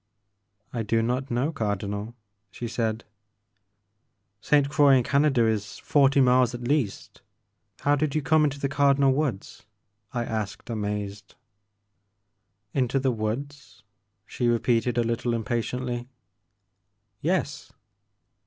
I do not know Cardinal," she said. *' Ste. Croix in Canada is forty miles at least, — how did you come into the Cardinal Woods ?" I asked amazed. Into the woods?" she repeated a little im patiently. '*Yes."